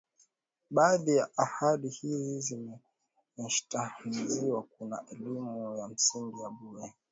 Baadhi ya ahadi hizi zimeshatimizwa kuna elimu ya msingi ya bure